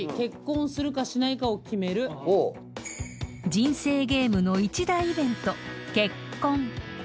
［人生ゲームの一大イベント結婚］